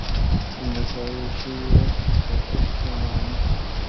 د ضایع شوي وخت په خاطر پښېماني.